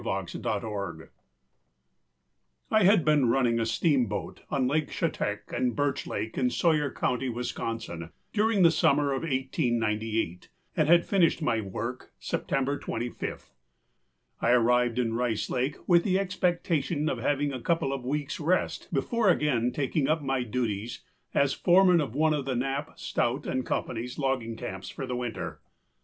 BRACKLIN I had been running a steamboat on Lake Chetak and Birch Lake in Sawyer County, Wisconsin, during the summer of 1898 and had finished my work September 25. I arrived in Rice Lake with the expectation of having a couple of weeksâ rest before again taking up my duties as foreman of one of Knapp, Stout, and Companyâs logging camps for the winter.